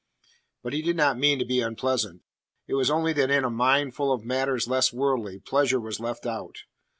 But he did not mean to be unpleasant; it was only that in a mind full of matters less worldly, pleasure was left out.